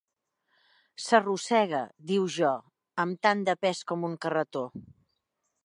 "S'arrossega," diu Jo, "amb tant de pes com un carretó."